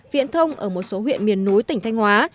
viễn thông ở một số huyện miền núi tỉnh thanh hóa